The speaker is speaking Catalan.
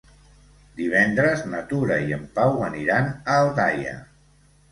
Divendres na Tura i en Pau aniran a Aldaia.